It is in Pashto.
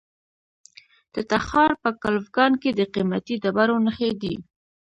د تخار په کلفګان کې د قیمتي ډبرو نښې دي.